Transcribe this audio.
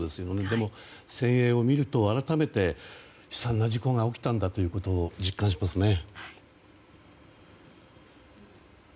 でも、船影を見ると改めて悲惨な事故が起きたんだということを実感しますね。